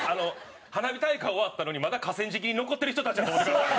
花火大会終わったのにまだ河川敷に残ってる人たちやと思ってください！